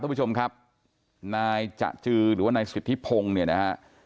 ผู้ชมครับนายจะจือหรือว่านายสิทธิพงศ์เนี่ยนะฮะ